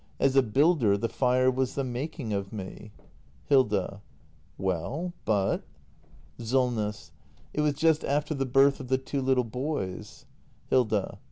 As a builder, the fire was the making of me Hilda. Well, but ? Solness. It was just after the birth of the two little boys Hilda.